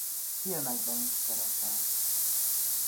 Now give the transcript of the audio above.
Filmekben is szerepelt.